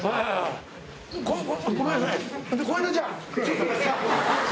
ごめんなさいね。